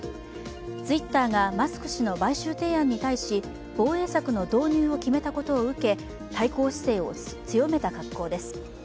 ツイッターがマスク氏の買収提案に対し、防衛策の導入を決めたことを受け、対抗姿勢を強めた格好です。